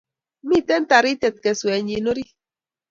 Mitei taritiet keswenyii orit